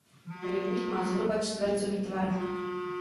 Rybník má zhruba čtvercový tvar.